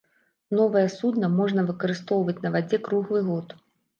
Новае судна можна выкарыстоўваць на вадзе круглы год.